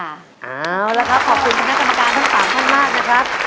เอาละครับขอบคุณคณะกรรมการทั้ง๓ท่านมากนะครับ